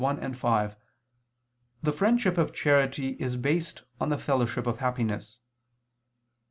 1, 5), the friendship of charity is based on the fellowship of happiness.